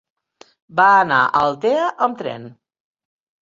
Va anar a Altea amb tren.